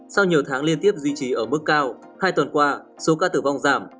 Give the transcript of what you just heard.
sau nhiều tháng liên tiếp duy trì ở mức cao hai tuần qua số ca tử vong giảm